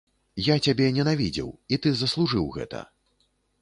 Я цябе ненавідзеў, і ты заслужыў гэта.